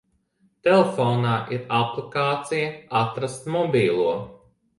Telefonā ir aplikācija "Atrast mobilo".